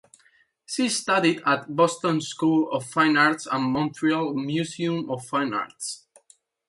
She studied at Boston School of Fine Arts and Montreal Museum of Fine Arts.